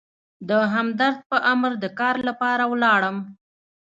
د همدرد په امر د کار لپاره ولاړم.